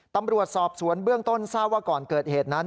ตำรวจสอบสวนเบื้องต้นทราบว่าก่อนเกิดเหตุนั้น